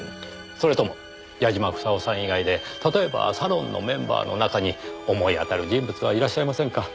それとも矢嶋房夫さん以外で例えばサロンのメンバーの中に思い当たる人物はいらっしゃいませんか？